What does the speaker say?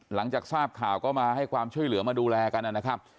หลังจากทราบข่าวก็มาให้ความช่วยเหลือมาดูแลกันนะครับ